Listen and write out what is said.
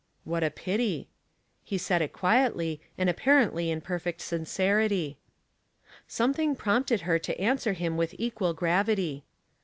"• What a pity." He said it quietly, and ap /)4»xently in perfect sincerity. Something prompted her to answer him wiih • qual gravity.